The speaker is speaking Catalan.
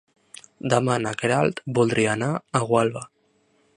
Demà na Queralt voldria anar a Gualba.